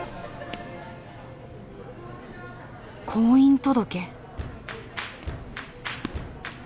婚姻届？